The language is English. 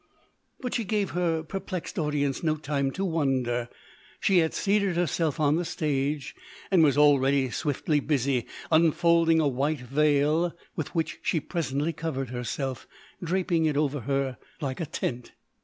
But she gave her perplexed audience no time to wonder; she had seated herself on the stage and was already swiftly busy unfolding a white veil with which she presently covered herself, draping it over her like a tent.